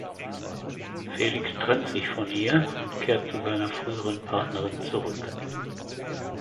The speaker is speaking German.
Felix trennt sich von ihr und kehrt zu seiner früheren Partnerin zurück.